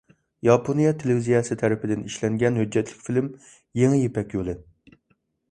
ياپونىيە تېلېۋىزىيەسى تەرىپىدىن ئىشلەنگەن ھۆججەتلىك فىلىم: «يېڭى يىپەك يولى» .